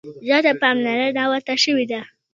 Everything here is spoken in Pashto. زیاته پاملرنه ورته شوې ده.